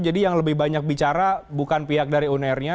jadi yang lebih banyak bicara bukan pihak dari unernya